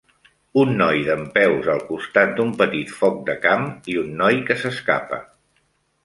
Un noi dempeus al costat d'un petit foc de camp i un noi que s'escapa.